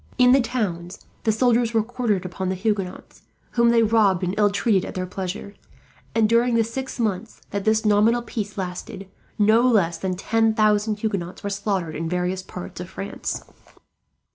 In the towns the soldiers were quartered upon the Huguenots, whom they robbed and ill treated at their pleasure; and during the six months that this nominal peace lasted, no less than ten thousand Huguenots were slaughtered in various parts of France.